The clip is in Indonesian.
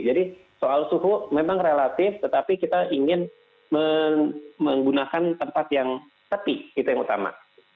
jadi soal suhu memang relatif tetapi kita ingin menggunakan tempat yang sepi itu yang utama